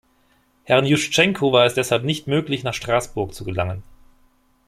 Herrn Juschtschenko war es deshalb nicht möglich, nach Straßburg zu gelangen.